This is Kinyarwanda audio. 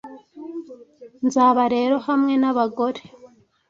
nzaba rero hamwe nabagore